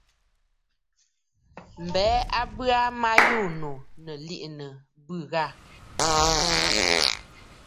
M̀bə a bə aa ma yû ànnù, nɨ̀ liꞌìnə̀ ɨ̀bɨ̂ ghâ.